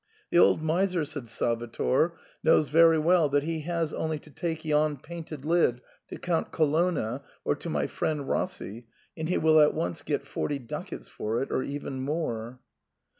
" The old miser,*' said Salvator, " knows very well that he has only to take yon painted lid to Count Co lonna or to my friend Rossi and he will at once get forty ducats for it, or even more."